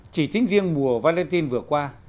chỉ tính riêng mùa valentine vừa qua